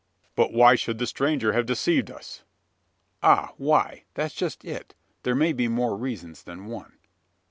"But why should the stranger have deceived us?" "Ah why? That's just it. There may be more reasons than one."